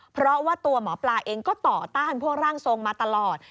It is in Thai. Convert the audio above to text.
เพราะว่าตัวหมอปลาเองก็ต่อต้านพวกร่างทรงมาตลอด